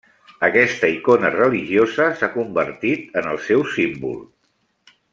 Aquesta icona religiosa s'ha convertit en el seu símbol.